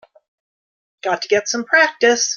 Got to get some practice.